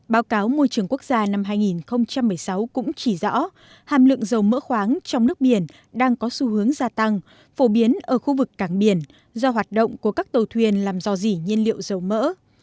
báo cáo môi trường quốc gia năm hai nghìn một mươi sáu cũng chỉ rõ hàm lượng dầu mỡ khoáng trong nước biển đang có xu hướng gia tăng phổ biến ở khu vực cảng biển do hoạt động của các tàu thuyền làm do dỉ nhiên liệu dầu mỡ